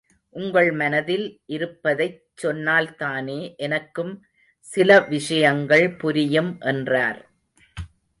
உங்கள் மனதில் இருப்பதைச் சொன்னால்தானே எனக்கும் சில விஷயங்கள் புரியும் என்றார்.